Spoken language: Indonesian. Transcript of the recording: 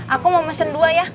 aku mau mesen dua ya